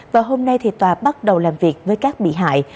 và hôm nay tòa bắt đầu làm việc với các bị hại